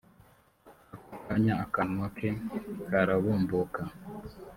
ako kanya akanwa ke karabumbuka